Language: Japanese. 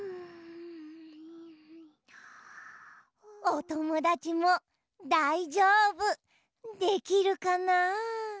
おともだちもだいじょうぶできるかな？